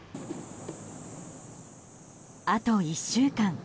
あと１週間。